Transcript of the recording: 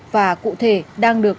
và cụ thể đang được